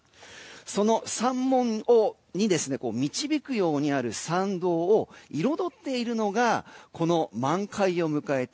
その山門に導くようにある参道を彩っているのがこの満開を迎えた